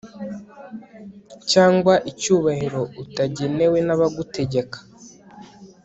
cyangwa icyubahiro utagenewe n'abagutegeka